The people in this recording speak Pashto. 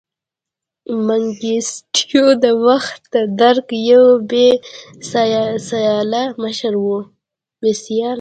منګیسټیو دا وخت د درګ یو بې سیاله مشر و.